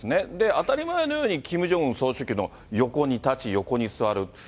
当たり前のように、キム・ジョンウン総書記の横に立ち、横に座る。